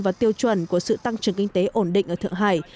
và tiêu chuẩn của sự tăng trưởng kinh tế ổn định ở thượng hải